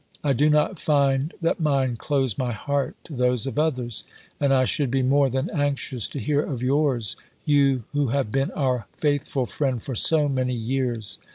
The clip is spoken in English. I do not find that mine close my heart to those of others and I should be more than anxious to hear of yours you who have been our faithful friend for so many years.